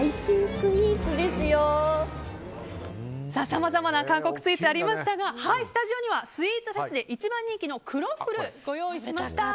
さまざまな韓国スイーツがありましたがスタジオには一番人気のクロッフルをご用意しました。